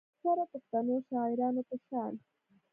د اکثره پښتنو شاعرانو پۀ شان